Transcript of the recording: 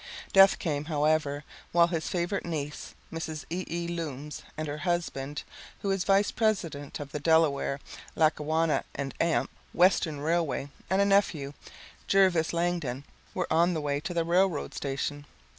Death came, however, while his favorite niece, Mrs. E. E. Looms, and her husband, who is Vice President of the Delaware, Lackawanna & Western Railway, and a nephew, Jervis Langdon, were on the way to the railroad station.